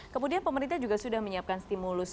kemudian pemerintah juga sudah menyiapkan stimulus